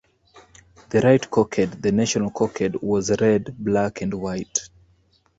The right cockade, the national cockade, was red, black and white.